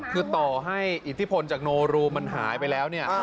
คือต่อให้อิทธิพลจากโนรูมันหายไปแล้วเนี่ย